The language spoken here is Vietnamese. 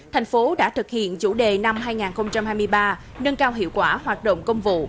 thành phố đã thực hiện chủ đề năm hai nghìn hai mươi ba nâng cao hiệu quả hoạt động công vụ